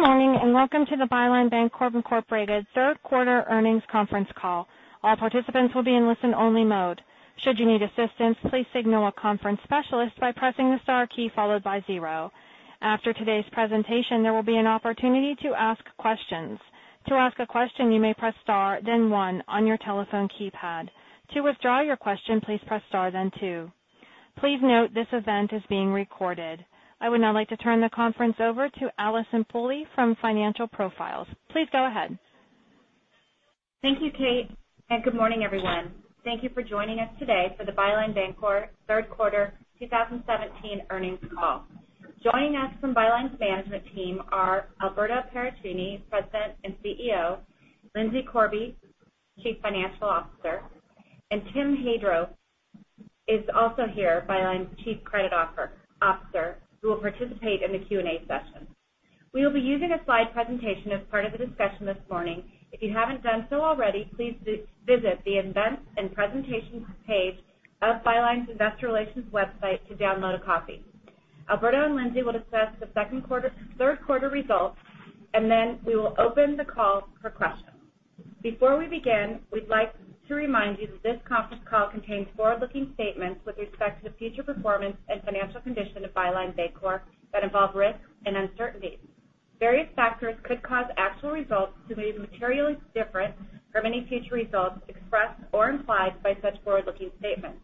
Good morning, and welcome to the Byline Bancorp Incorporated third quarter earnings conference call. All participants will be in listen-only mode. Should you need assistance, please signal a conference specialist by pressing the star key followed by zero. After today's presentation, there will be an opportunity to ask questions. To ask a question, you may press star then one on your telephone keypad. To withdraw your question, please press star then two. Please note this event is being recorded. I would now like to turn the conference over to Allyson Pooley from Financial Profiles. Please go ahead. Thank you, Kate, and good morning, everyone. Thank you for joining us today for the Byline Bancorp third quarter 2017 earnings call. Joining us from Byline's management team are Alberto Paracchini, President and CEO, Lindsay Corby, Chief Financial Officer, and Tim Hadro is also here, Byline's Chief Credit Officer, who will participate in the Q&A session. We will be using a slide presentation as part of the discussion this morning. If you haven't done so already, please visit the Events and Presentations page of Byline's Investor Relations website to download a copy. Alberto and Lindsay will discuss the third quarter results, then we will open the call for questions. Before we begin, we'd like to remind you that this conference call contains forward-looking statements with respect to the future performance and financial condition of Byline Bancorp that involve risks and uncertainties. Various factors could cause actual results to be materially different from any future results expressed or implied by such forward-looking statements.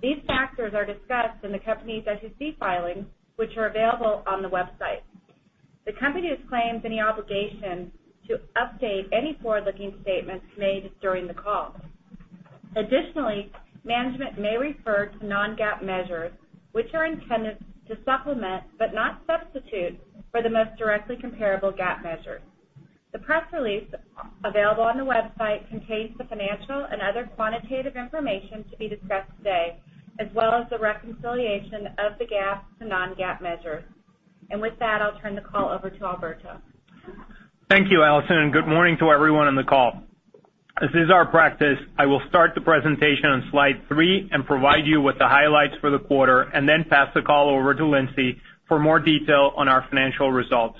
These factors are discussed in the company's SEC filings, which are available on the website. The company disclaims any obligation to update any forward-looking statements made during the call. Additionally, management may refer to non-GAAP measures, which are intended to supplement, but not substitute, for the most directly comparable GAAP measure. The press release available on the website contains the financial and other quantitative information to be discussed today, as well as the reconciliation of the GAAP to non-GAAP measures. With that, I'll turn the call over to Alberto. Thank you, Allyson, and good morning to everyone on the call. As is our practice, I will start the presentation on slide three, and provide you with the highlights for the quarter, then pass the call over to Lindsay for more detail on our financial results.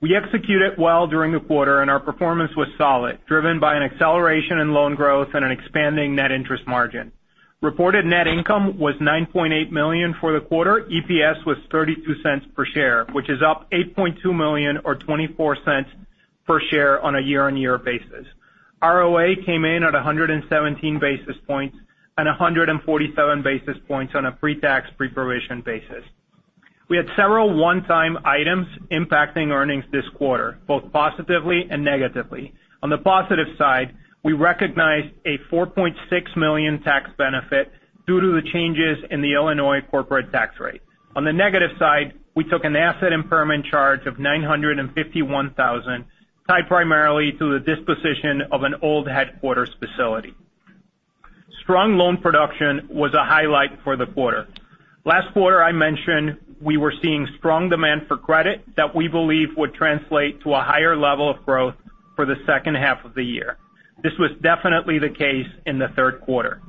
We executed well during the quarter, our performance was solid, driven by an acceleration in loan growth and an expanding net interest margin. Reported net income was $9.8 million for the quarter. EPS was $0.32 per share, which is up $8.2 million, or $0.24 per share, on a year-on-year basis. ROA came in at 117 basis points and 147 basis points on a pre-tax, pre-provision basis. We had several one-time items impacting earnings this quarter, both positively and negatively. On the positive side, we recognized a $4.6 million tax benefit due to the changes in the Illinois corporate tax rate. On the negative side, we took an asset impairment charge of $951,000, tied primarily to the disposition of an old headquarters facility. Strong loan production was a highlight for the quarter. Last quarter, I mentioned we were seeing strong demand for credit that we believe would translate to a higher level of growth for the second half of the year. This was definitely the case in the third quarter.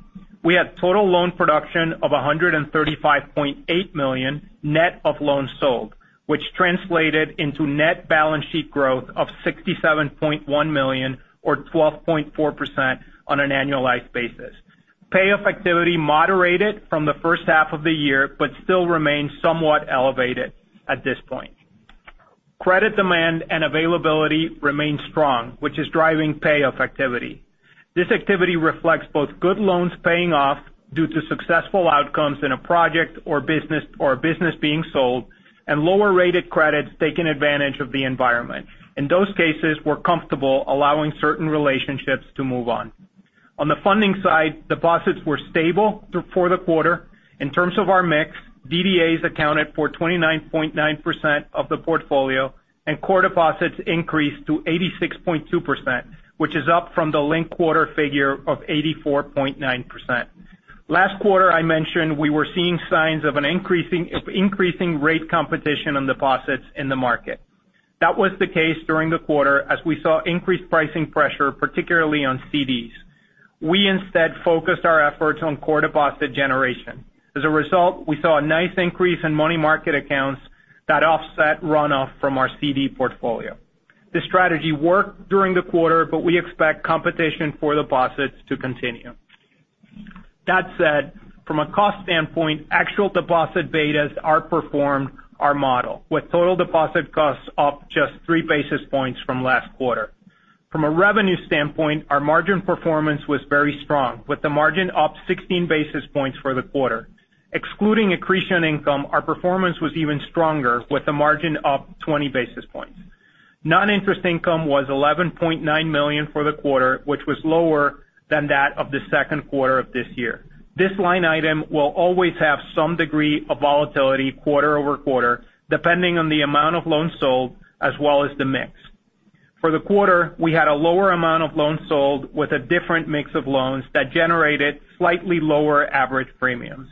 We had total loan production of $135.8 million, net of loans sold, which translated into net balance sheet growth of $67.1 million or 12.4% on an annualized basis. Payoff activity moderated from the first half of the year, but still remains somewhat elevated at this point. Credit demand and availability remain strong, which is driving payoff activity. This activity reflects both good loans paying off due to successful outcomes in a project or a business being sold, and lower-rated credits taking advantage of the environment. In those cases, we're comfortable allowing certain relationships to move on. On the funding side, deposits were stable for the quarter. In terms of our mix, DDAs accounted for 29.9% of the portfolio, and core deposits increased to 86.2%, which is up from the linked quarter figure of 84.9%. Last quarter, I mentioned we were seeing signs of increasing rate competition on deposits in the market. That was the case during the quarter as we saw increased pricing pressure, particularly on CDs. We instead focused our efforts on core deposit generation. As a result, we saw a nice increase in money market accounts that offset runoff from our CD portfolio. This strategy worked during the quarter. We expect competition for deposits to continue. That said, from a cost standpoint, actual deposit betas outperformed our model, with total deposit costs up just 3 basis points from last quarter. From a revenue standpoint, our margin performance was very strong, with the margin up 16 basis points for the quarter. Excluding accretion income, our performance was even stronger, with the margin up 20 basis points. Non-interest income was $11.9 million for the quarter, which was lower than that of the second quarter of this year. This line item will always have some degree of volatility quarter-over-quarter, depending on the amount of loans sold, as well as the mix. For the quarter, we had a lower amount of loans sold with a different mix of loans that generated slightly lower average premiums.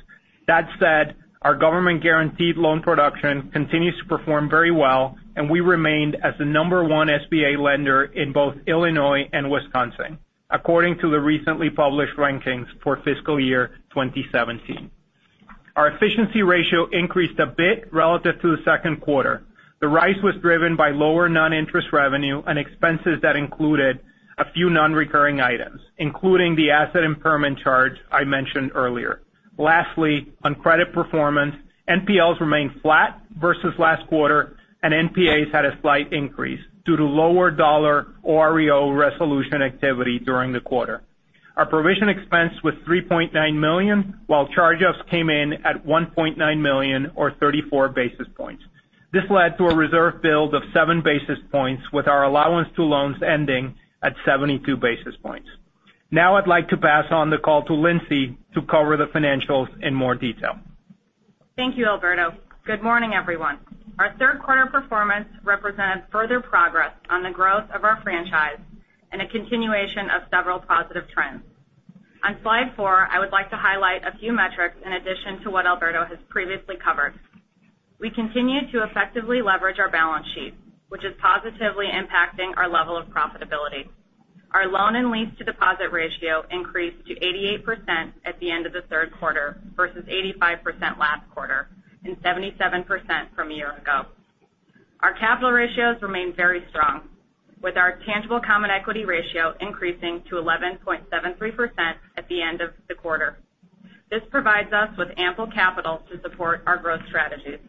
That said, our government-guaranteed loan production continues to perform very well, and we remained as the number one SBA lender in both Illinois and Wisconsin, according to the recently published rankings for fiscal year 2017. Our efficiency ratio increased a bit relative to the second quarter. The rise was driven by lower non-interest revenue and expenses that included a few non-recurring items, including the asset impairment charge I mentioned earlier. Lastly, on credit performance, NPLs remained flat versus last quarter, and NPAs had a slight increase due to lower dollar OREO resolution activity during the quarter. Our provision expense was $3.9 million, while charge-offs came in at $1.9 million, or 34 basis points. This led to a reserve build of 7 basis points, with our allowance to loans ending at 72 basis points. I'd like to pass on the call to Lindsay to cover the financials in more detail. Thank you, Alberto. Good morning, everyone. Our third quarter performance represented further progress on the growth of our franchise and a continuation of several positive trends. On slide four, I would like to highlight a few metrics in addition to what Alberto has previously covered. We continue to effectively leverage our balance sheet, which is positively impacting our level of profitability. Our loan and lease-to-deposit ratio increased to 88% at the end of the third quarter versus 85% last quarter and 77% from a year ago. Our capital ratios remain very strong, with our tangible common equity ratio increasing to 11.73% at the end of the quarter. This provides us with ample capital to support our growth strategies.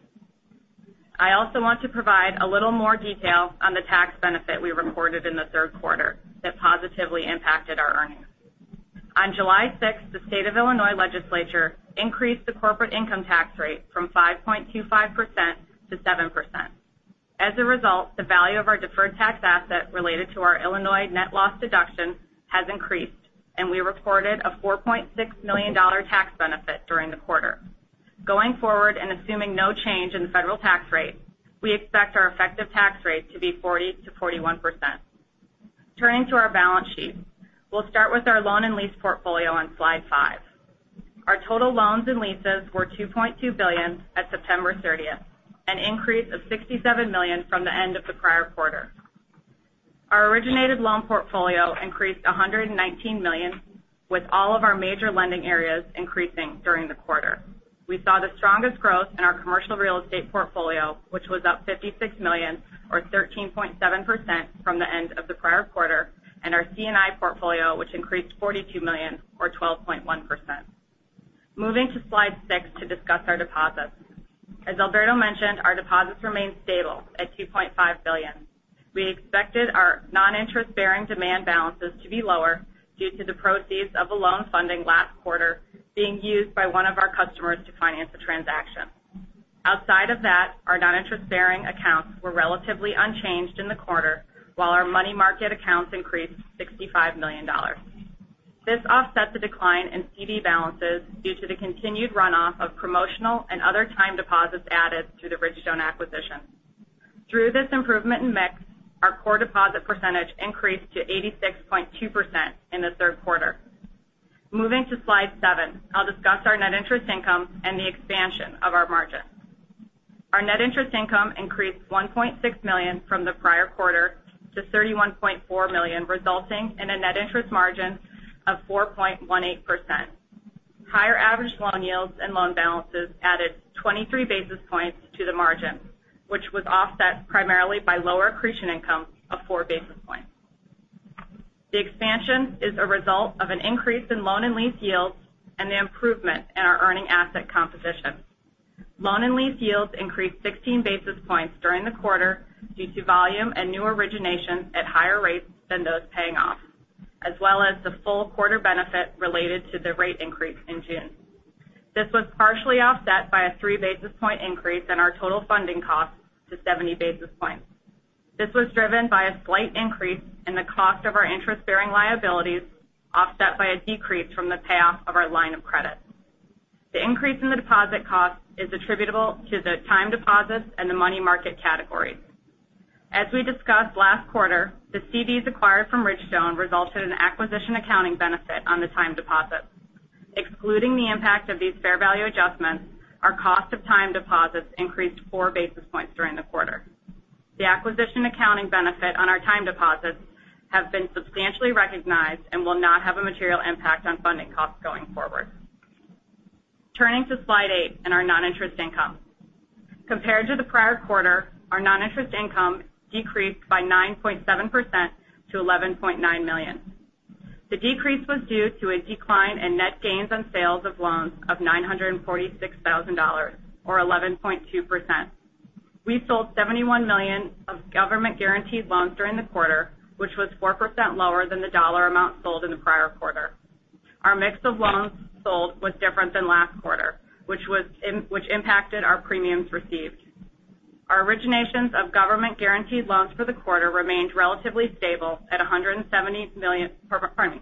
I also want to provide a little more detail on the tax benefit we reported in the third quarter that positively impacted our earnings. On July 6th, the State of Illinois legislature increased the corporate income tax rate from 5.25% to 7%. As a result, the value of our deferred tax asset related to our Illinois net loss deduction has increased, and we reported a $4.6 million tax benefit during the quarter. Going forward, and assuming no change in the federal tax rate, we expect our effective tax rate to be 40%-41%. Turning to our balance sheet, we'll start with our loan and lease portfolio on slide five. Our total loans and leases were $2.2 billion at September 30th, an increase of $67 million from the end of the prior quarter. Our originated loan portfolio increased $119 million, with all of our major lending areas increasing during the quarter. We saw the strongest growth in our commercial real estate portfolio, which was up $56 million, or 13.7%, from the end of the prior quarter, and our C&I portfolio, which increased $42 million, or 12.1%. Moving to slide six to discuss our deposits. As Alberto mentioned, our deposits remained stable at $2.5 billion. We expected our non-interest-bearing demand balances to be lower due to the proceeds of a loan funding last quarter being used by one of our customers to finance a transaction. Outside of that, our non-interest-bearing accounts were relatively unchanged in the quarter, while our money market accounts increased $65 million. This offset the decline in CD balances due to the continued runoff of promotional and other time deposits added through the Ridgestone acquisition. Through this improvement in mix, our core deposit percentage increased to 86.2% in the third quarter. Moving to slide seven, I'll discuss our net interest income and the expansion of our margin. Our net interest income increased $1.6 million from the prior quarter to $31.4 million, resulting in a net interest margin of 4.18%. Higher average loan yields and loan balances added 23 basis points to the margin, which was offset primarily by lower accretion income of 4 basis points. The expansion is a result of an increase in loan and lease yields and an improvement in our earning asset composition. Loan and lease yields increased 16 basis points during the quarter due to volume and new originations at higher rates than those paying off, as well as the full quarter benefit related to the rate increase in June. This was partially offset by a 3 basis point increase in our total funding cost to 70 basis points. This was driven by a slight increase in the cost of our interest-bearing liabilities, offset by a decrease from the payoff of our line of credit. The increase in the deposit cost is attributable to the time deposits and the money market categories. As we discussed last quarter, the CDs acquired from Ridgestone resulted in an acquisition accounting benefit on the time deposits. Excluding the impact of these fair value adjustments, our cost of time deposits increased 4 basis points during the quarter. The acquisition accounting benefit on our time deposits have been substantially recognized and will not have a material impact on funding costs going forward. Turning to slide eight and our non-interest income. Compared to the prior quarter, our non-interest income decreased by 9.7% to $11.9 million. The decrease was due to a decline in net gains on sales of loans of $946,000, or 11.2%. We sold $71 million of government-guaranteed loans during the quarter, which was 4% lower than the dollar amount sold in the prior quarter. Our mix of loans sold was different than last quarter, which impacted our premiums received. Our originations of government-guaranteed loans for the quarter remained relatively stable at $107 million versus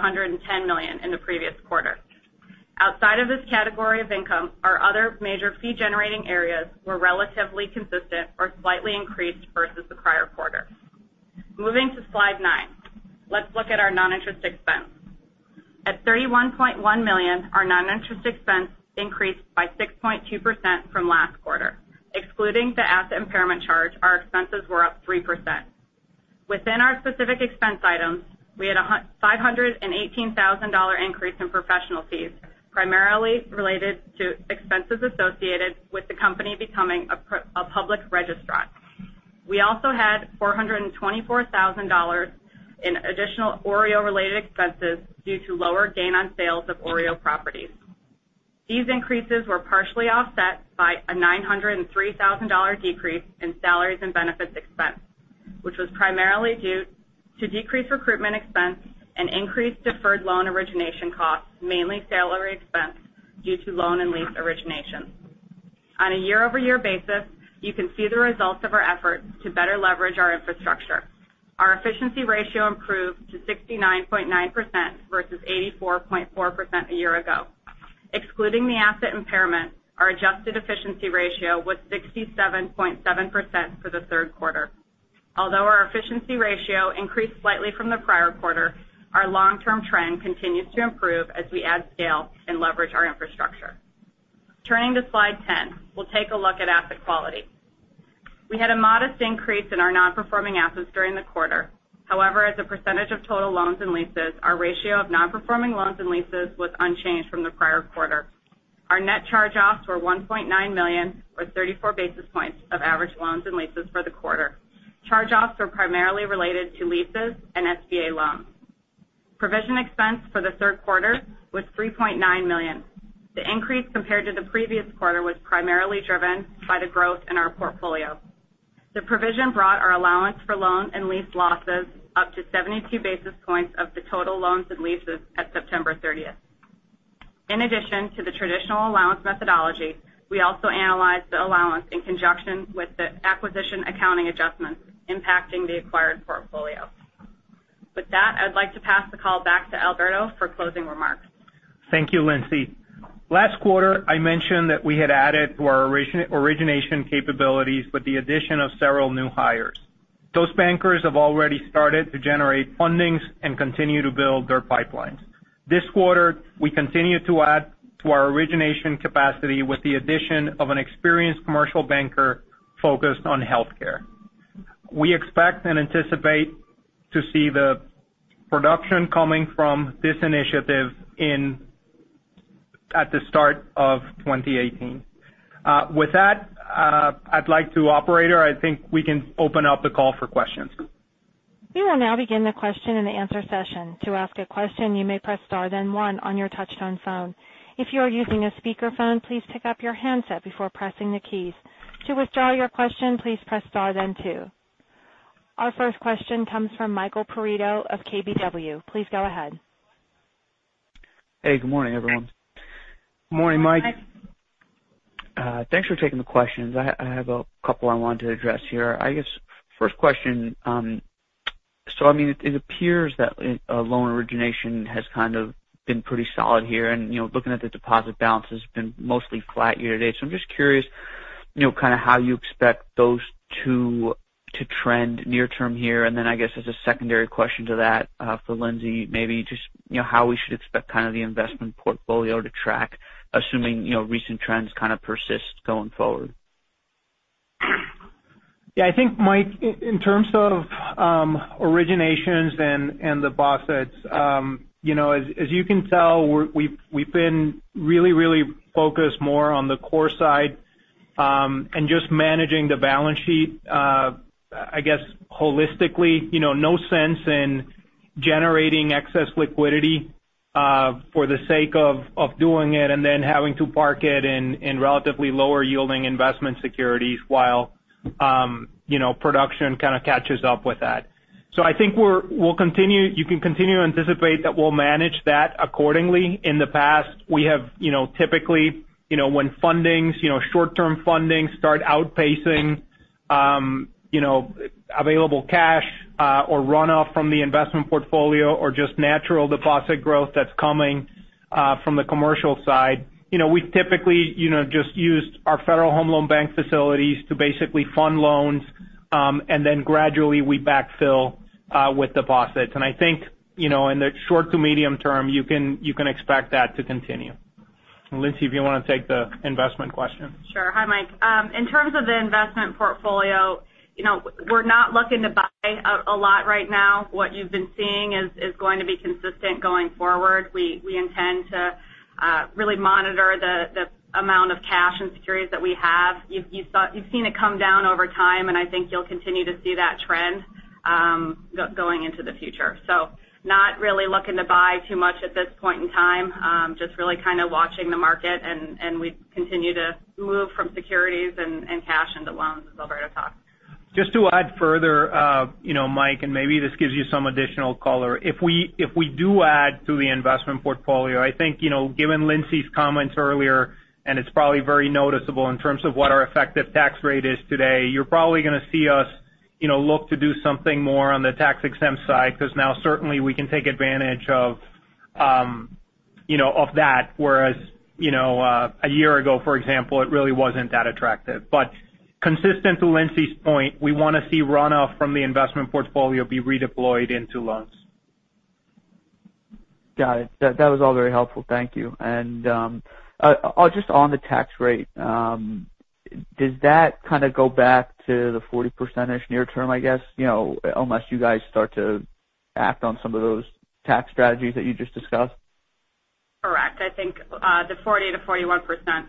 $110 million in the previous quarter. Outside of this category of income, our other major fee-generating areas were relatively consistent or slightly increased versus the prior quarter. Moving to slide nine, let's look at our non-interest expense. At $31.1 million, our non-interest expense increased by 6.2% from last quarter. Excluding the asset impairment charge, our expenses were up 3%. Within our specific expense items, we had a $518,000 increase in professional fees, primarily related to expenses associated with the company becoming a public registrant. We also had $424,000 in additional OREO-related expenses due to lower gain on sales of OREO properties. These increases were partially offset by a $903,000 decrease in salaries and benefits expense, which was primarily due to decreased recruitment expense and increased deferred loan origination costs, mainly salary expense due to loan and lease origination. On a year-over-year basis, you can see the results of our efforts to better leverage our infrastructure. Our efficiency ratio improved to 69.9% versus 84.4% a year ago. Excluding the asset impairment, our adjusted efficiency ratio was 67.7% for the third quarter. Although our efficiency ratio increased slightly from the prior quarter, our long-term trend continues to improve as we add scale and leverage our infrastructure. Turning to slide 10, we'll take a look at asset quality. We had a modest increase in our non-performing assets during the quarter. However, as a percentage of total loans and leases, our ratio of non-performing loans and leases was unchanged from the prior quarter. Our net charge-offs were $1.9 million, or 34 basis points of average loans and leases for the quarter. Charge-offs were primarily related to leases and SBA loans. Provision expense for the third quarter was $3.9 million. The increase compared to the previous quarter was primarily driven by the growth in our portfolio. The provision brought our allowance for loan and lease losses up to 72 basis points of the total loans and leases at September 30th. In addition to the traditional allowance methodology, we also analyzed the allowance in conjunction with the acquisition accounting adjustments impacting the acquired portfolio. With that, I'd like to pass the call back to Alberto for closing remarks. Thank you, Lindsay. Last quarter, I mentioned that we had added to our origination capabilities with the addition of several new hires. Those bankers have already started to generate fundings and continue to build their pipelines. This quarter, we continue to add to our origination capacity with the addition of an experienced commercial banker focused on healthcare. We expect and anticipate to see the production coming from this initiative at the start of 2018. With that, I'd like to operator, I think we can open up the call for questions. We will now begin the question and answer session. To ask a question, you may press star then one on your touchtone phone. If you are using a speakerphone, please pick up your handset before pressing the keys. To withdraw your question, please press star then two. Our first question comes from Michael Perito of KBW. Please go ahead. Hey, good morning, everyone. Morning, Mike. Morning. Thanks for taking the questions. I have a couple I wanted to address here. I guess, first question, I mean, it appears that loan origination has kind of been pretty solid here, and looking at the deposit balance has been mostly flat year to date. I'm just curious, kind of how you expect those two to trend near term here. I guess as a secondary question to that for Lindsay, maybe just how we should expect kind of the investment portfolio to track, assuming recent trends kind of persist going forward. Yeah, I think Mike, in terms of originations and deposits, as you can tell, we've been really, really focused more on the core side, and just managing the balance sheet, I guess, holistically. No sense in generating excess liquidity for the sake of doing it and then having to park it in relatively lower-yielding investment securities while production kind of catches up with that. I think you can continue to anticipate that we'll manage that accordingly. In the past, we have typically, when short-term fundings start outpacing available cash or runoff from the investment portfolio or just natural deposit growth that's coming from the commercial side, we typically just used our Federal Home Loan Bank facilities to basically fund loans, then gradually we backfill with deposits. I think, in the short to medium term, you can expect that to continue. Lindsay, if you want to take the investment question. Sure. Hi, Mike. In terms of the investment portfolio, we're not looking to buy a lot right now. What you've been seeing is going to be consistent going forward. We intend to really monitor the amount of cash and securities that we have. You've seen it come down over time. I think you'll continue to see that trend going into the future. Not really looking to buy too much at this point in time. Just really kind of watching the market, and we continue to move from securities and cash into loans, as Alberto talked. Just to add further, Mike. Maybe this gives you some additional color. If we do add to the investment portfolio, I think, given Lindsay's comments earlier, it's probably very noticeable in terms of what our effective tax rate is today. You're probably going to see us look to do something more on the tax-exempt side because now certainly we can take advantage of that, whereas, a year ago, for example, it really wasn't that attractive. Consistent to Lindsay's point, we want to see runoff from the investment portfolio be redeployed into loans. Got it. That was all very helpful. Thank you. Just on the tax rate, does that kind of go back to the 40%-ish near term, I guess, unless you guys start to act on some of those tax strategies that you just discussed? Correct. I think the 40%-41%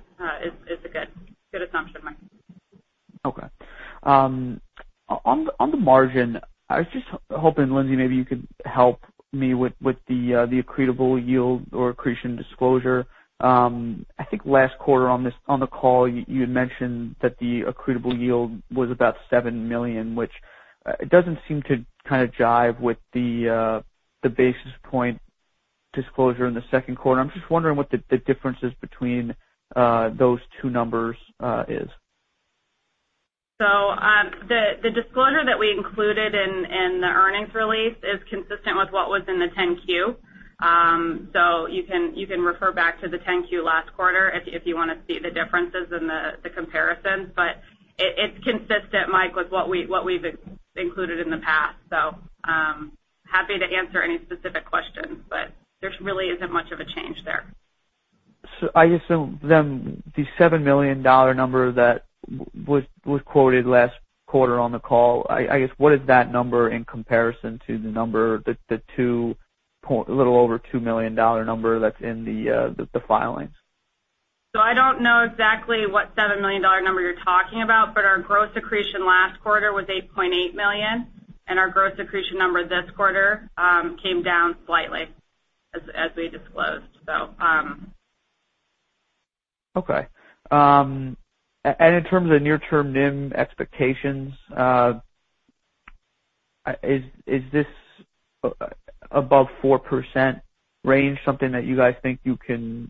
is a good assumption, Mike. On the margin, I was just hoping, Lindsay, maybe you could help me with the accretable yield or accretion disclosure. I think last quarter on the call, you had mentioned that the accretable yield was about $7 million, which it doesn't seem to kind of jive with the basis point disclosure in the second quarter. I'm just wondering what the difference is between those two numbers is. The disclosure that we included in the earnings release is consistent with what was in the 10-Q. You can refer back to the 10-Q last quarter if you want to see the differences and the comparisons. It's consistent, Mike, with what we've included in the past. Happy to answer any specific questions, but there really isn't much of a change there. I assume then the $7 million number that was quoted last quarter on the call, I guess, what is that number in comparison to the number, the little over $2 million number that's in the filings? I don't know exactly what $7 million number you're talking about, but our gross accretion last quarter was $8.8 million, and our gross accretion number this quarter came down slightly as we disclosed. Okay. In terms of near-term NIM expectations, is this above 4% range something that you guys think you can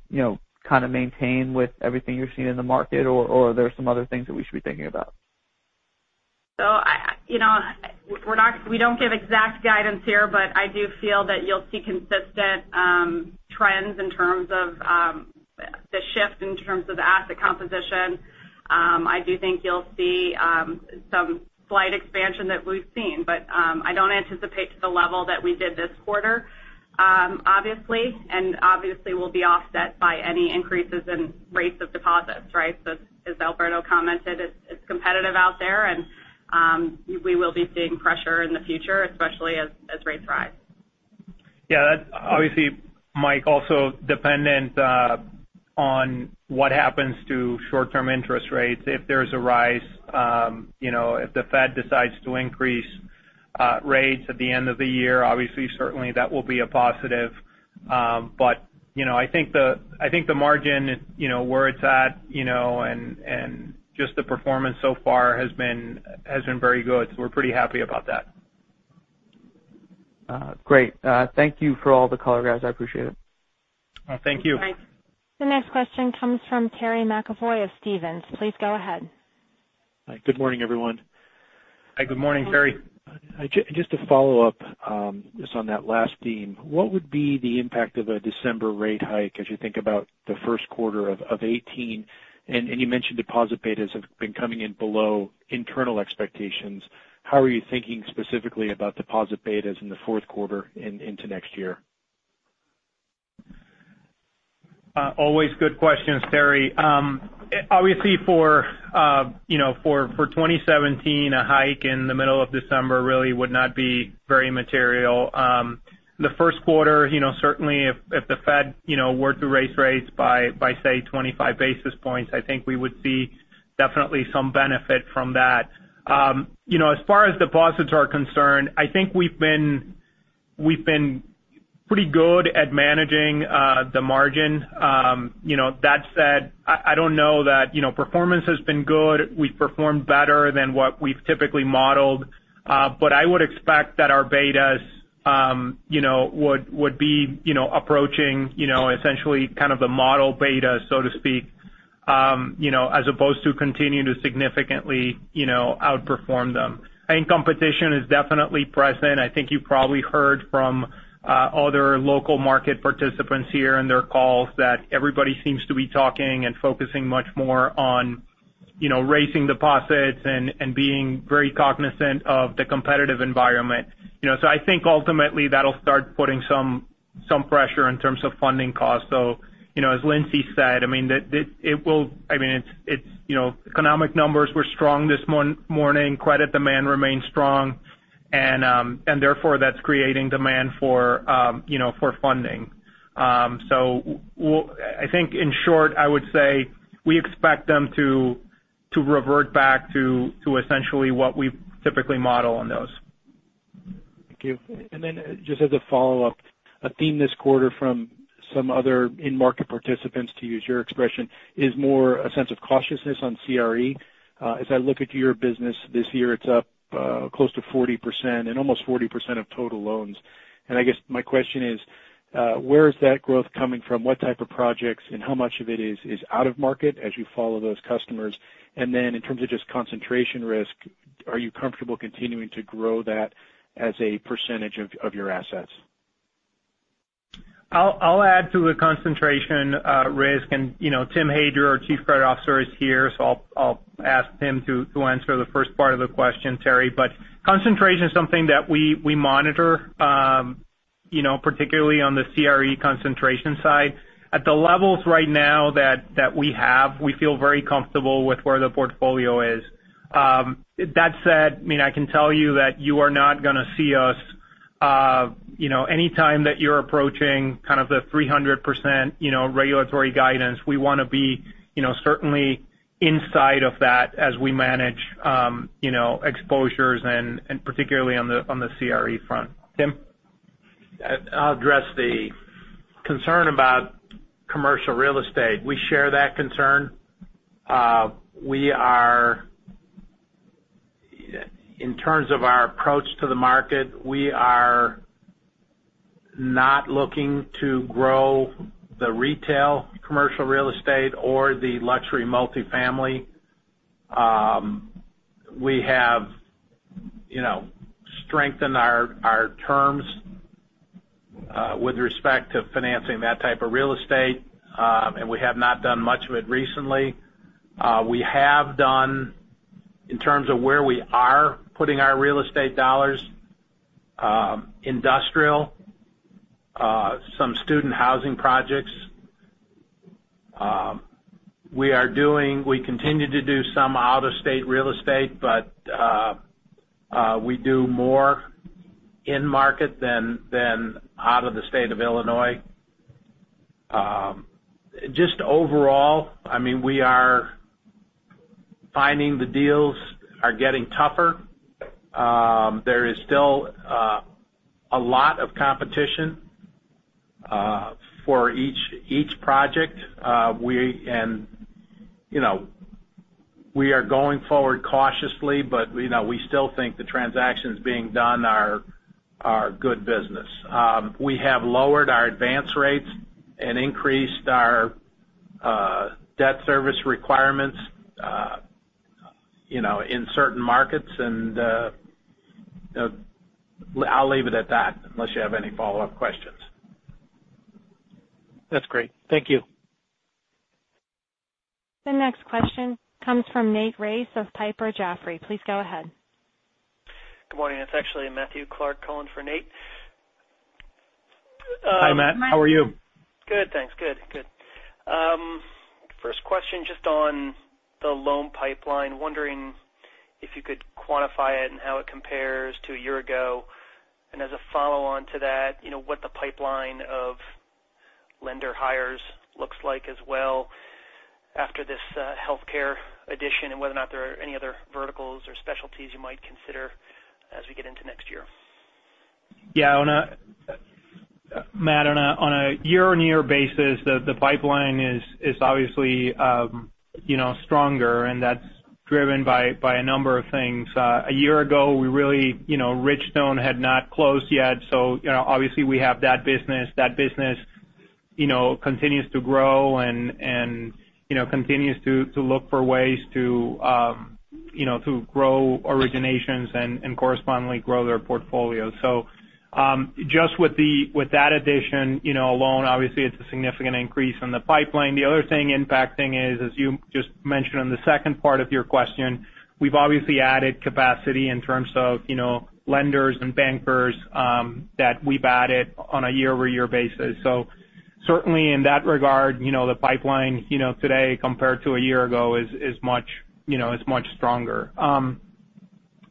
kind of maintain with everything you're seeing in the market, or are there some other things that we should be thinking about? We don't give exact guidance here, but I do feel that you'll see consistent trends in terms of the shift in terms of asset composition. I do think you'll see some slight expansion that we've seen, but I don't anticipate to the level that we did this quarter. Obviously, will be offset by any increases in rates of deposits, right? As Alberto commented, it's competitive out there, and we will be seeing pressure in the future, especially as rates rise. Obviously, Mike, also dependent on what happens to short-term interest rates. If there's a rise, if the Fed decides to increase rates at the end of the year, obviously, certainly that will be a positive. I think the margin, where it's at, and just the performance so far has been very good. We're pretty happy about that. Great. Thank you for all the color, guys. I appreciate it. Thank you. Thanks. The next question comes from Terry McEvoy of Stephens. Please go ahead. Hi. Good morning, everyone. Hi. Good morning, Terry. Just to follow up just on that last theme, what would be the impact of a December rate hike as you think about the first quarter of 2018? You mentioned deposit betas have been coming in below internal expectations. How are you thinking specifically about deposit betas in the fourth quarter and into next year? Always good questions, Terry. Obviously for 2017, a hike in the middle of December really would not be very material. The first quarter, certainly if the Fed were to raise rates by, say, 25 basis points, I think we would see definitely some benefit from that. As far as deposits are concerned, I think we've been pretty good at managing the margin. That said, I don't know that performance has been good. We've performed better than what we've typically modeled. I would expect that our betas would be approaching essentially kind of the model beta, so to speak, as opposed to continuing to significantly outperform them. I think competition is definitely present. I think you probably heard from other local market participants here in their calls that everybody seems to be talking and focusing much more on raising deposits and being very cognizant of the competitive environment. I think ultimately that'll start putting some pressure in terms of funding costs. As Lindsay said, economic numbers were strong this morning. Credit demand remains strong, and therefore that's creating demand for funding. I think, in short, I would say we expect them to revert back to essentially what we typically model on those. Thank you. Just as a follow-up, a theme this quarter from some other in-market participants, to use your expression, is more a sense of cautiousness on CRE. As I look at your business this year, it's up close to 40% and almost 40% of total loans. I guess my question is where is that growth coming from, what type of projects, and how much of it is out of market as you follow those customers? In terms of just concentration risk, are you comfortable continuing to grow that as a percentage of your assets? I'll add to the concentration risk. Tim Hadro, our Chief Credit Officer, is here, so I'll ask him to answer the first part of the question, Terry. Concentration is something that we monitor. Particularly on the CRE concentration side. At the levels right now that we have, we feel very comfortable with where the portfolio is. That said, I can tell you that you are not going to see us, anytime that you're approaching kind of the 300% regulatory guidance, we want to be certainly inside of that as we manage exposures, particularly on the CRE front. Tim? I'll address the concern about commercial real estate. We share that concern. In terms of our approach to the market, we are not looking to grow the retail commercial real estate or the luxury multifamily. We have strengthened our terms with respect to financing that type of real estate, and we have not done much of it recently. We have done, in terms of where we are putting our real estate dollars, industrial, some student housing projects, we continue to do some out-of-state real estate, but we do more in-market than out of the state of Illinois. Just overall, we are finding the deals are getting tougher. There is still a lot of competition for each project. We are going forward cautiously, but we still think the transactions being done are good business. We have lowered our advance rates and increased our debt service requirements in certain markets. I'll leave it at that unless you have any follow-up questions. That's great. Thank you. The next question comes from Nate Race of Piper Jaffray. Please go ahead. Good morning. It's actually Matthew Clark calling for Nate. Hi, Matt. How are you? Good, thanks. Good. First question, just on the loan pipeline. Wondering if you could quantify it and how it compares to a year ago. As a follow-on to that, what the pipeline of lender hires looks like as well after this healthcare addition, and whether or not there are any other verticals or specialties you might consider as we get into next year. Yeah, Matt, on a year-on-year basis, the pipeline is obviously stronger, and that's driven by a number of things. A year ago, really, Ridgestone had not closed yet, so obviously we have that business. That business continues to grow and continues to look for ways to grow originations and correspondingly grow their portfolio. Just with that addition alone, obviously it's a significant increase in the pipeline. The other thing impacting is, as you just mentioned on the second part of your question, we've obviously added capacity in terms of lenders and bankers that we've added on a year-over-year basis. Certainly in that regard, the pipeline today compared to a year ago is much stronger.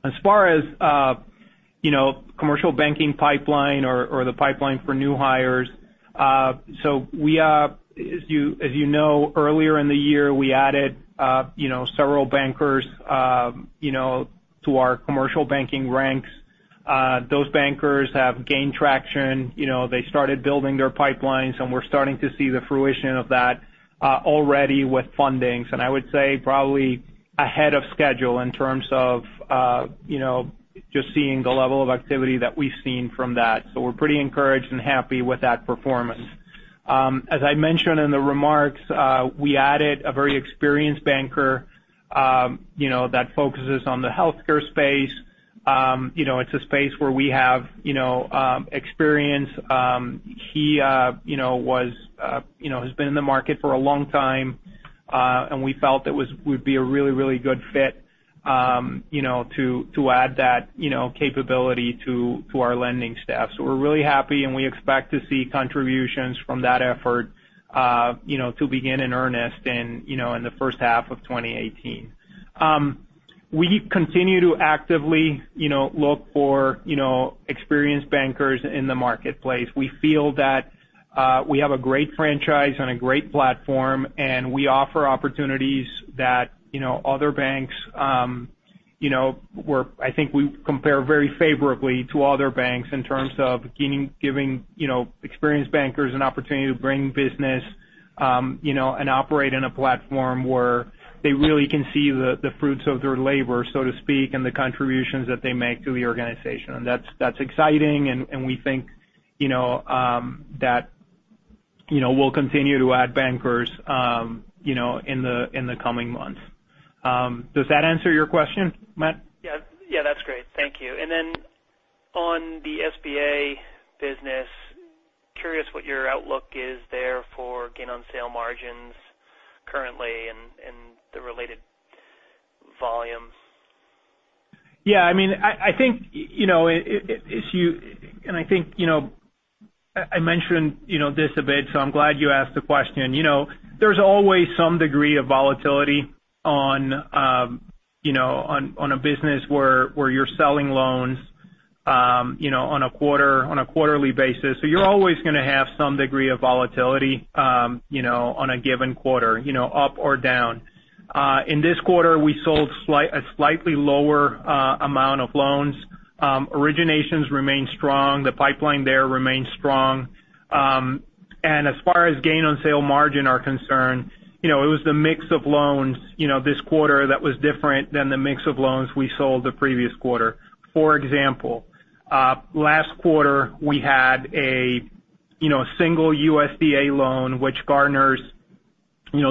As far as commercial banking pipeline or the pipeline for new hires, as you know, earlier in the year, we added several bankers to our commercial banking ranks. Those bankers have gained traction. They started building their pipelines, and we're starting to see the fruition of that already with fundings. I would say probably ahead of schedule in terms of just seeing the level of activity that we've seen from that. We're pretty encouraged and happy with that performance. As I mentioned in the remarks, we added a very experienced banker that focuses on the healthcare space. It's a space where we have experience. He has been in the market for a long time, and we felt it would be a really good fit to add that capability to our lending staff. We're really happy, and we expect to see contributions from that effort to begin in earnest in the first half of 2018. We continue to actively look for experienced bankers in the marketplace. We feel that we have a great franchise and a great platform, and we offer opportunities that other banks. I think we compare very favorably to other banks in terms of giving experienced bankers an opportunity to bring business and operate in a platform where they really can see the fruits of their labor, so to speak, and the contributions that they make to the organization. That's exciting, and we think that we'll continue to add bankers in the coming months. Does that answer your question, Matt? Yeah. That's great. Thank you. On the SBA business, curious what your outlook is there for gain on sale margins currently and the related volumes? Yeah. I think I mentioned this a bit, so I'm glad you asked the question. There's always some degree of volatility on a business where you're selling loans on a quarterly basis. You're always going to have some degree of volatility on a given quarter, up or down. In this quarter, we sold a slightly lower amount of loans. Originations remain strong. The pipeline there remains strong. As far as gain on sale margin are concerned, it was the mix of loans this quarter that was different than the mix of loans we sold the previous quarter. For example, last quarter, we had a single USDA loan, which garners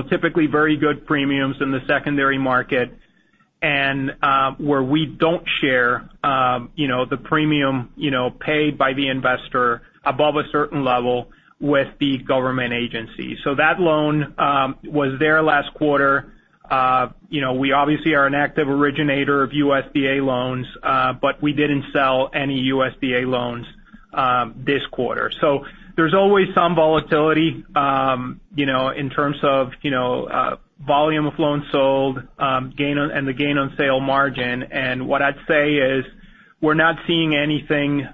typically very good premiums in the secondary market, and where we don't share the premium paid by the investor above a certain level with the government agency. That loan was there last quarter. We obviously are an active originator of USDA loans, but we didn't sell any USDA loans this quarter. There's always some volatility in terms of volume of loans sold and the gain on sale margin. What I'd say is we're not seeing anything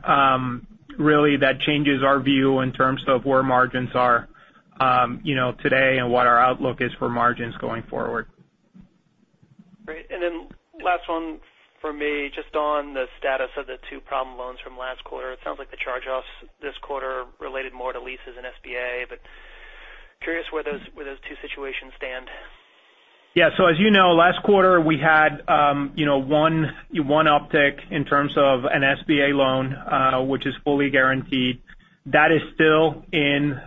really that changes our view in terms of where margins are today and what our outlook is for margins going forward. Great. Last one from me, just on the status of the two problem loans from last quarter. It sounds like the charge-offs this quarter related more to leases and SBA, but curious where those two situations stand. Yeah. As you know, last quarter, we had one uptick in terms of an SBA loan, which is fully guaranteed. That is still in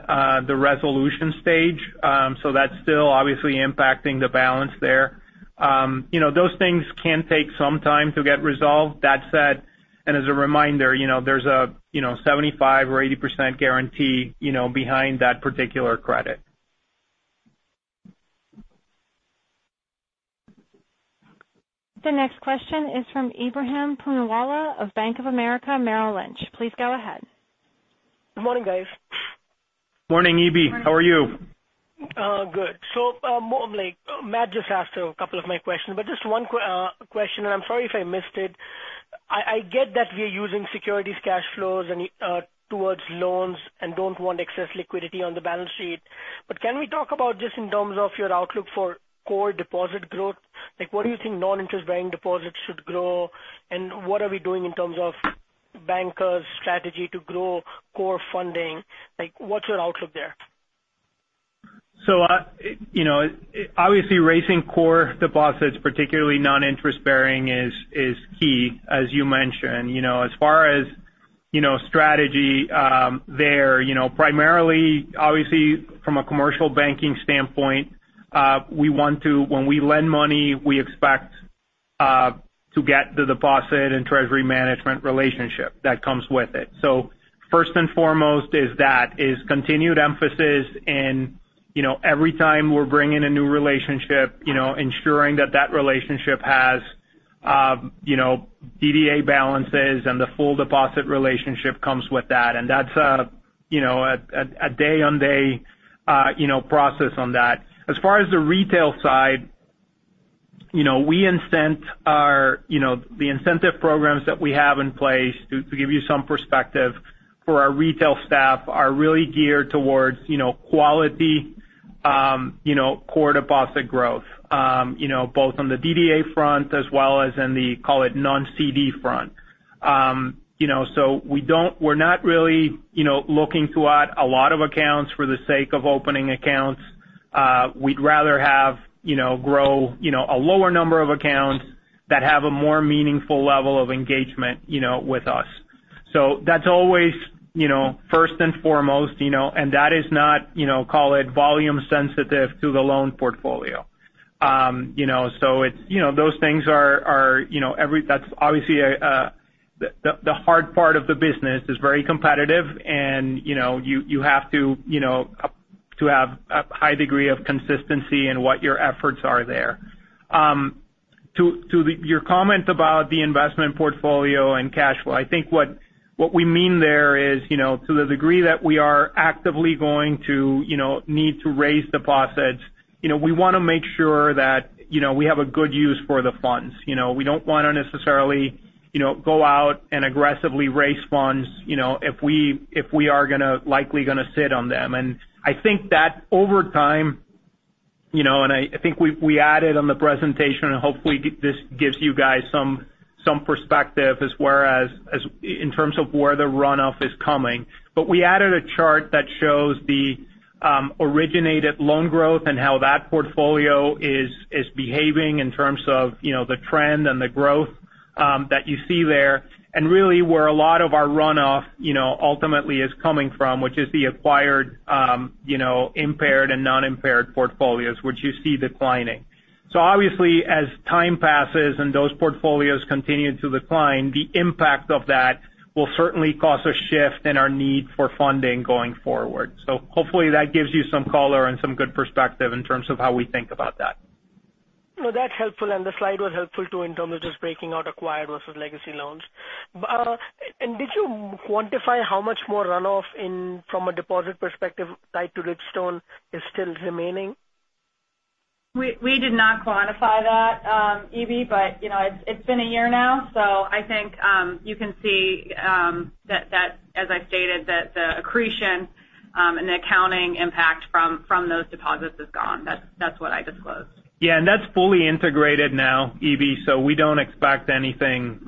the resolution stage. That's still obviously impacting the balance there. Those things can take some time to get resolved. That said, as a reminder, there's a 75% or 80% guarantee behind that particular credit. The next question is from Ebrahim Poonawala of Bank of America Merrill Lynch. Please go ahead. Good morning, guys. Morning, Ebie. How are you? Good. Matt just asked a couple of my questions, but just one question, and I'm sorry if I missed it. I get that we are using securities cash flows towards loans and don't want excess liquidity on the balance sheet. Can we talk about just in terms of your outlook for core deposit growth? What do you think non-interest-bearing deposits should grow? What are we doing in terms of bankers' strategy to grow core funding? What's your outlook there? Obviously, raising core deposits, particularly non-interest-bearing, is key, as you mentioned. As far as strategy there, primarily, obviously from a commercial banking standpoint, when we lend money, we expect to get the deposit and treasury management relationship that comes with it. First and foremost is that, is continued emphasis in every time we're bringing a new relationship, ensuring that that relationship has DDA balances and the full deposit relationship comes with that. That's a day-on-day process on that. As far as the retail side, the incentive programs that we have in place, to give you some perspective, for our retail staff are really geared towards quality core deposit growth both on the DDA front as well as in the, call it non-CD front. We're not really looking to add a lot of accounts for the sake of opening accounts. We'd rather grow a lower number of accounts that have a more meaningful level of engagement with us. That's always first and foremost, and that is not, call it, volume sensitive to the loan portfolio. Obviously, the hard part of the business is very competitive, and you have to have a high degree of consistency in what your efforts are there. To your comment about the investment portfolio and cash flow, I think what we mean there is to the degree that we are actively going to need to raise deposits, we want to make sure that we have a good use for the funds. We don't want to necessarily go out and aggressively raise funds if we are likely going to sit on them. I think that over time, I think we added on the presentation, hopefully this gives you guys some perspective in terms of where the runoff is coming. We added a chart that shows the originated loan growth and how that portfolio is behaving in terms of the trend and the growth that you see there, and really where a lot of our runoff ultimately is coming from, which is the acquired impaired and non-impaired portfolios, which you see declining. Obviously, as time passes and those portfolios continue to decline, the impact of that will certainly cause a shift in our need for funding going forward. Hopefully that gives you some color and some good perspective in terms of how we think about that. No, that's helpful. The slide was helpful too, in terms of just breaking out acquired versus legacy loans. Did you quantify how much more runoff from a deposit perspective tied to Ridgestone is still remaining? We did not quantify that, Ebie, but it's been a year now, so I think you can see, as I stated, that the accretion and the accounting impact from those deposits is gone. That's what I disclosed. Yeah. That's fully integrated now, Ebie, so we don't expect anything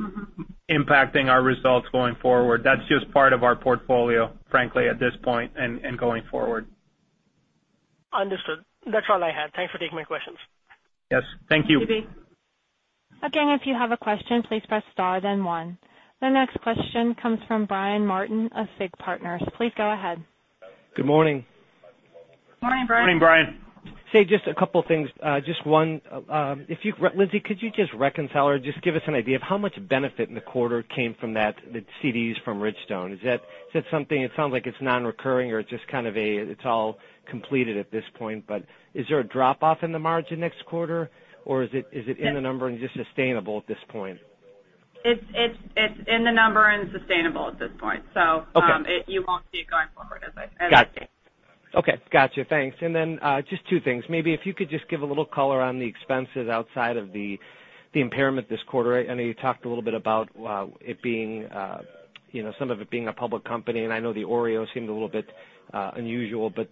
impacting our results going forward. That's just part of our portfolio, frankly, at this point and going forward. Understood. That's all I had. Thanks for taking my questions. Yes. Thank you. Thanks, Ebie. Again, if you have a question, please press star then one. The next question comes from Brian Martin of FIG Partners. Please go ahead. Good morning. Morning, Brian. Morning, Brian. Say just a couple things. Just one, Lindsay, could you just reconcile or just give us an idea of how much benefit in the quarter came from the CDs from Ridgestone? It sounds like it's non-recurring or it's all completed at this point, but is there a drop-off in the margin next quarter, or is it in the number and just sustainable at this point? It's in the number and sustainable at this point. Okay. You won't see it going forward, as I stated. Got you. Okay. Got you. Thanks. Just two things. Maybe if you could just give a little color on the expenses outside of the impairment this quarter. I know you talked a little bit about some of it being a public company, and I know the OREO seemed a little bit unusual, but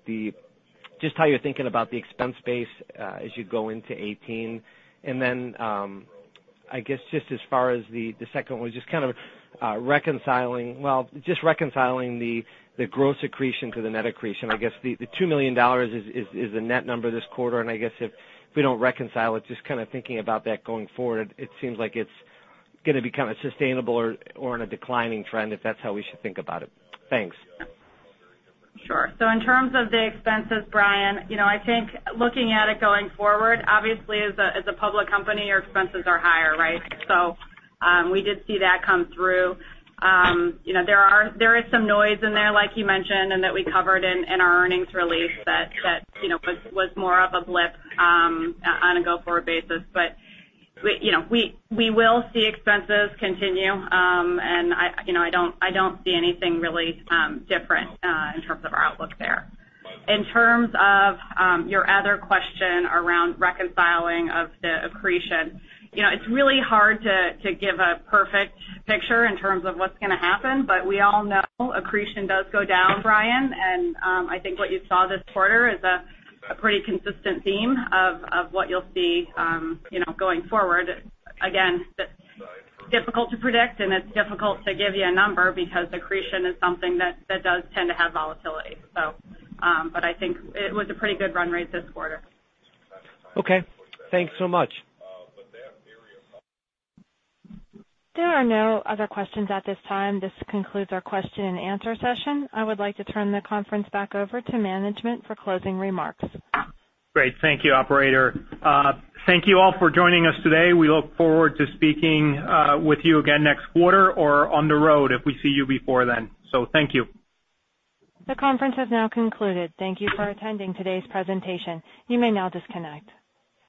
just how you're thinking about the expense base as you go into 2018. I guess just as far as the second one, just reconciling the gross accretion to the net accretion. I guess the $2 million is the net number this quarter, I guess if we don't reconcile it, just kind of thinking about that going forward, it seems like it's going to become a sustainable or on a declining trend, if that's how we should think about it. Thanks. Sure. In terms of the expenses, Brian, I think looking at it going forward, obviously as a public company, our expenses are higher, right? We did see that come through. There is some noise in there, like you mentioned, that we covered in our earnings release that was more of a blip on a go-forward basis. We will see expenses continue. I don't see anything really different in terms of our outlook there. In terms of your other question around reconciling of the accretion. It's really hard to give a perfect picture in terms of what's going to happen, but we all know accretion does go down, Brian, I think what you saw this quarter is a pretty consistent theme of what you'll see going forward. Again, it's difficult to predict, it's difficult to give you a number because accretion is something that does tend to have volatility. I think it was a pretty good run rate this quarter. Okay. Thanks so much. There are no other questions at this time. This concludes our question and answer session. I would like to turn the conference back over to management for closing remarks. Great. Thank you, operator. Thank you all for joining us today. We look forward to speaking with you again next quarter or on the road if we see you before then. Thank you. The conference has now concluded. Thank you for attending today's presentation. You may now disconnect.